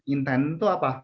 intent itu apa